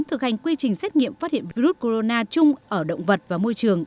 thực hành quy trình xét nghiệm phát hiện virus corona chung ở động vật và môi trường